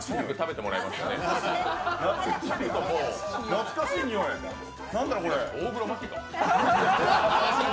懐かしい匂い、何だろこれ。